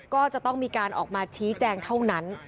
ก็จะต้องมีการออกมาชี้แจงเท่านั้น